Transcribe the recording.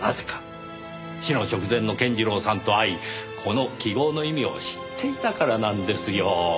死の直前の健次郎さんと会いこの記号の意味を知っていたからなんですよ。